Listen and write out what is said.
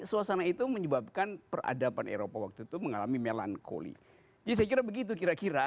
suasana itu menyebabkan peradaban eropa waktu itu mengalami melankoli disekir begitu kira kira